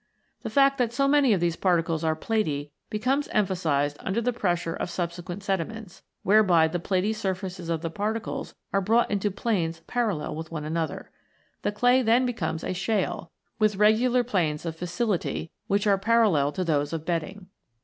The fact that so many of these particles are platy becomes emphasised under the pressure of subsequent sediments, whereby the platy surfaces of the particles are brought into planes parallel with one another, The clay then becomes a Shale, with regular planes of fissility, which are parallel to those of bedding.